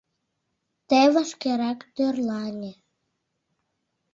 — Тый вашкерак тӧрлане.